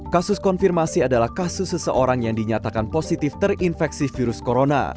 kasus konfirmasi adalah kasus seseorang yang dinyatakan positif terinfeksi virus corona